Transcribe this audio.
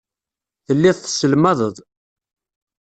Telliḍ tesselmadeḍ.